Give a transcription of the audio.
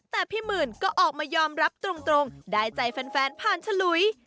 แต่พี่หมื่นก็ออกมายอมรับตรงได้ใจแฟนผ่านฉลุย